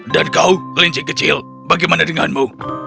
dan kau linci kecil bagaimana denganmu